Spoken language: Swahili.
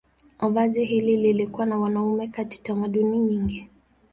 Vazi hili lilikuwa la wanaume katika tamaduni nyingi.